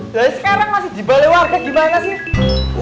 dari sekarang masih dibalik warga gimana sih